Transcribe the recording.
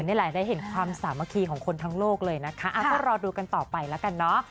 นี่แหละได้เห็นความสามัคคีของคนทั้งโลกเลยนะคะก็รอดูกันต่อไปแล้วกันเนาะ